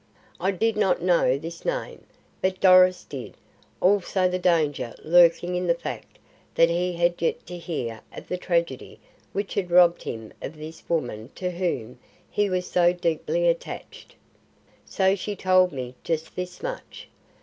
I did not know this name, but Doris did, also the danger lurking in the fact that he had yet to hear of the tragedy which had robbed him of this woman to whom he was so deeply attached. So she told me just this much.